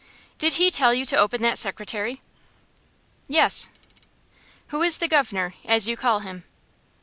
"Did he tell you to open that secretary?" "Yes." "Who is the guv'nor, as you call him?"